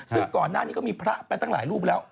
ซึ่งก่อนหน้านี้ก็มีพระไปตั้งหลายรูปแล้ว